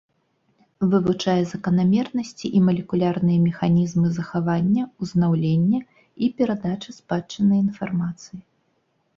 Вывучае заканамернасці і малекулярныя механізмы захавання, узнаўлення і перадачы спадчыннай інфармацыі.